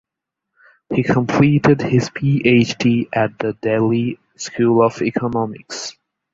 He completed his PhD at the Delhi School of Economics.